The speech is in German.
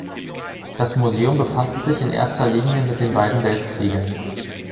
Das Museum befasst sich in erster Linie mit den beiden Weltkriegen.